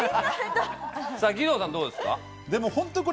義堂さん、どうですか？